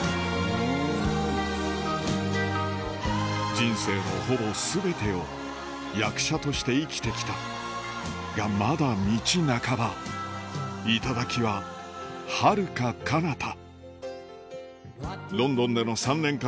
人生のほぼ全てを役者として生きてきたがまだ道半ば頂ははるかかなた